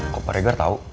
kok pak regar tau